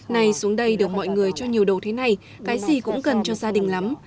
này xuống đây được mọi người cho nhiều đồ thế này cái gì cũng cần cho gia đình lắm